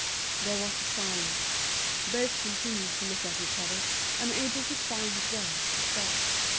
There was a silence. Both continued to look at each other, unable to find a word to say.